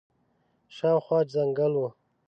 شاوخوا جنګل وو.